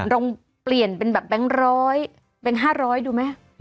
ลองเปลี่ยนเป็นแบบแบงค์ร้อยเป็น๕๐๐ดูไหม